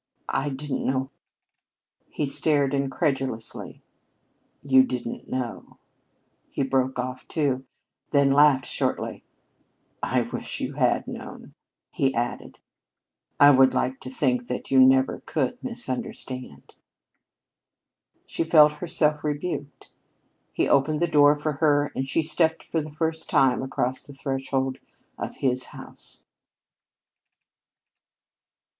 I didn't know " He stared incredulously. "You didn't know " He broke off, too, then laughed shortly. "I wish you had known," he added. "I would like to think that you never could misunderstand." She felt herself rebuked. He opened the door for her and she stepped for the first time across the threshold of his house.